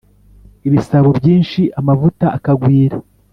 ibisabo byinshi amavuta akagwira